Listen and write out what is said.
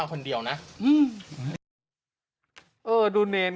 เน่นมีไหม